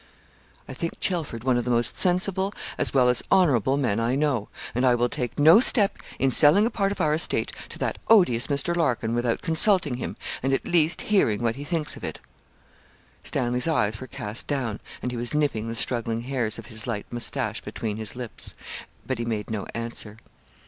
'I think Chelford one of the most sensible as well as honourable men I know; and I will take no step in selling a part of our estate to that odious Mr. Larkin, without consulting him, and at least hearing what he thinks of it.' Stanley's eyes were cast down and he was nipping the struggling hairs of his light moustache between his lips but he made no answer.